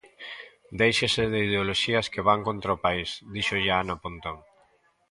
Déixense de ideoloxías que van contra o país, díxolle a Ana Pontón.